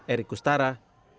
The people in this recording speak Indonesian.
erik kustara bekasi